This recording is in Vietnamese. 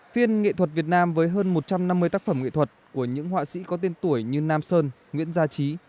phiên nghệ thuật việt nam với hơn một trăm năm mươi tác phẩm nghệ thuật của những họa sĩ có tên tuổi như nam sơn nguyễn gia trí